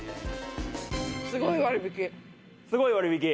すごい割引！